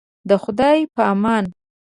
د خدای په امان.